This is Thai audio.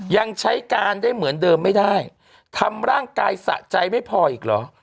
ยังใช้การได้เหมือนเดิมไม่ได้ทำร่างกายสะใจไม่พออีกเหรอ